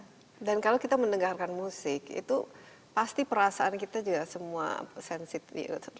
jadi kalau kita mendengarkan musik itu pasti perasaan kita juga semua sensitif